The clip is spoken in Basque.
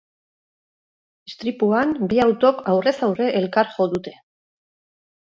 Istripuan bi autok aurrez aurre elkar jo dute.